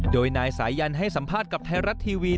โดยนายสายันให้สัมภาษณ์กับไทยรัฐทีวี